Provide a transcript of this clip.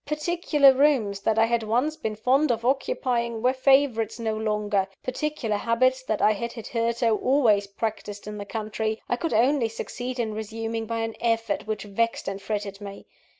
Particular rooms that I had once been fond of occupying, were favourites no longer: particular habits that I had hitherto always practised in the country, I could only succeed in resuming by an effort which vexed and fretted me.